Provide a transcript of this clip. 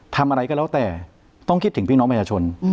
ทำอะไรก็แล้วแต่ต้องคิดถึงพี่น้องประชาชน